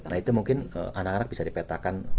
nah itu mungkin anak anak bisa dipetakan